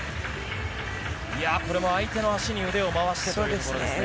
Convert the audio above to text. これも相手の足に腕を回してというところですね。